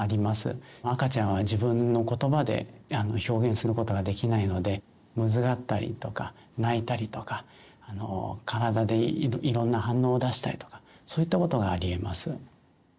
赤ちゃんは自分の言葉で表現することができないのでむずかったりとか泣いたりとか体でいろんな反応を出したりとかそういったことがありえます。